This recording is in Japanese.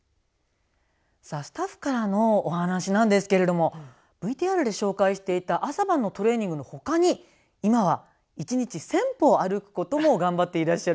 さあスタッフからのお話なんですけれどもＶＴＲで紹介していた朝晩のトレーニングのほかに今は一日１，０００歩歩くことも頑張っていらっしゃるということですよ。